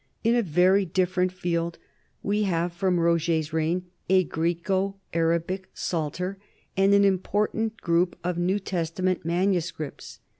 In a very different field we have from Roger's reign a Greco Arabic psalter and an important group of New Testa ment manuscripts.